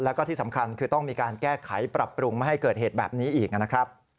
แล้วก็ที่สำคัญคือต้องมีการแก้ไขปรับปรุงไม่ให้เกิดเหตุแบบนี้อีกนะครับ